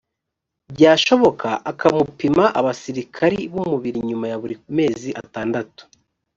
byashoboka akamupima abasirikari b umubiri nyuma ya buri mezi atandatu